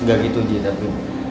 nggak gitu gi tapi